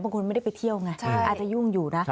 ไม่ได้ไปเที่ยวไงอาจจะยุ่งอยู่นะ